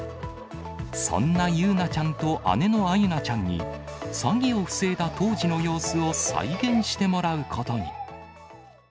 そんな友裕奈ちゃんと姉の天裕奈ちゃんに、詐欺を防いだ当時の様子を再現してもらうことに。